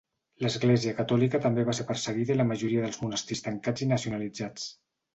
L'església catòlica també va ser perseguida i la majoria dels monestirs tancats i nacionalitzats.